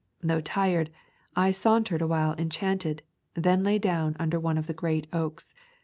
Though tired, I sauntered a while enchanted, then lay down under one of the great oaks.